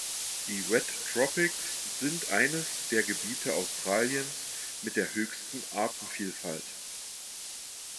Die Wet Tropics sind eines der Gebiete Australiens mit der höchsten Artenvielfalt.